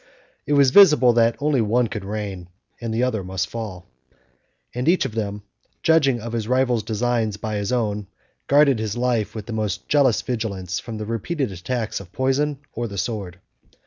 It was visible that one only could reign, and that the other must fall; and each of them, judging of his rival's designs by his own, guarded his life with the most jealous vigilance from the repeated attacks of poison or the sword.